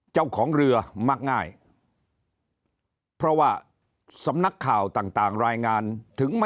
เจ้าของ